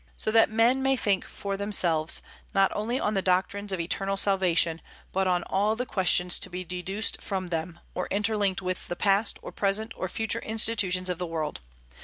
so that men may think for themselves, not only on the doctrines of eternal salvation but on all the questions to be deduced from them, or interlinked with the past or present or future institutions of the world.